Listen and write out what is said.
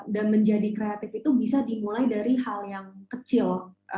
dan menjadi kreatif itu bisa dimulai dari hal yang kecil